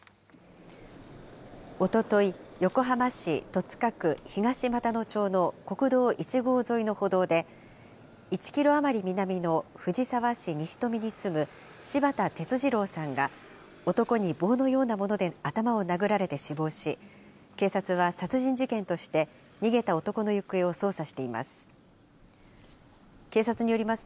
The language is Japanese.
おととい、横浜市戸塚区東俣野町の国道１号沿いの歩道で、１キロ余り南の藤沢市西富に住む柴田哲二郎さんが、男に棒のようなもので頭を殴られて死亡し、警察は殺人事件として、逃げた男の行方を捜査しています。